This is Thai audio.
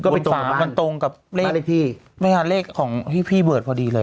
ก็เป็นฝามันกับเลขที่พี่เบิร์ตพอดีเลย